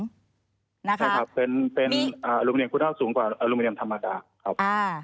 ใช่ครับเป็นอลูมิเนียมคุณภาพสูงกว่าอลูมิเนียมธรรมดาครับ